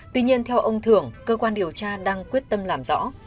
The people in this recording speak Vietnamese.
tuy nhiên theo ông thưởng cơ quan điều tra đang quyết tâm làm rõ